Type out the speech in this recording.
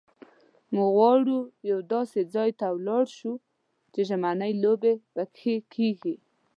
موږ غواړو یوه داسې ځای ته ولاړ شو چې ژمنۍ لوبې پکښې کېږي.